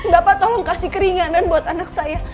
bapak tolong kasih keringanan buat anak saya